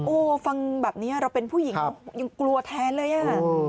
ฟังแบบนี้เราเป็นผู้หญิงยังกลัวแทนเลยอ่ะ